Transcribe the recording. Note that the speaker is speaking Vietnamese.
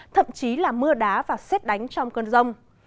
thậm chí là mưa đá và xét đánh trong cơn rông